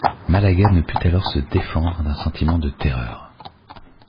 Malaga ne put alors se défendre d’un sentiment de terreur.